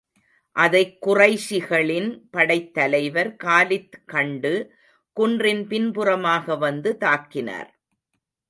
அதைக் குறைஷிகளின் படைத் தலைவர் காலித் கண்டு, குன்றின் பின்புறமாக வந்து தாக்கினார்.